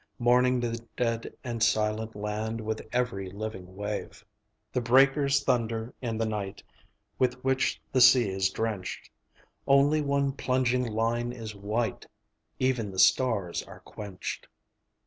Mourning the dead and silent land With every living wave. IV The breakers thunder in the night With which the sea is drenched. Only one plunging line is white; Even the stars are quenched.